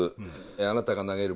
「あなたが投げるボール。